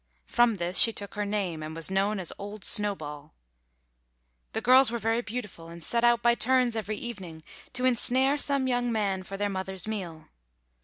From this she took her name, and was known as old Snowball. The girls were very beautiful, and set out by turns every evening to ensnare some young man for their mother's meal.